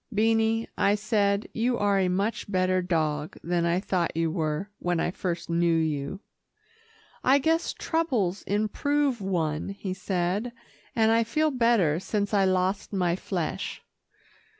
"Beanie," I said, "you are a much better dog than I thought you were, when I first knew you." "I guess troubles improve one," he said, "and I feel better since I lost my flesh."